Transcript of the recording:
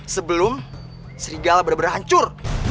sebelum serigala bener bener hancur